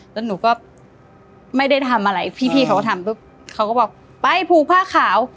แล้วหนูก็ไม่ได้ทำอะไรพี่เขาก็ทำปุ๊บเขาก็บอกไปผูกผ้าขาว